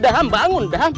daham bangun daham